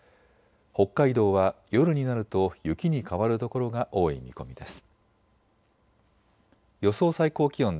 北海道は夜になると雪に変わる所が多い見込みです。